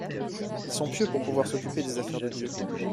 Ils sont pieux pour pouvoir s’occuper des affaires de Dieu.